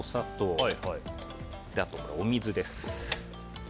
あと、お水です。